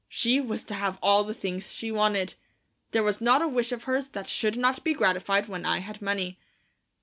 She was to have all the things she wanted. There was not a wish of hers that should not be gratified when I had money.